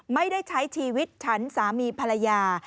ไม่ได้ใช้ชีวิตฉันสามีภรรยา